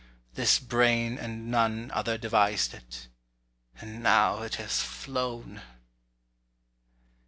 This brain and none other devised it— And now it has flown.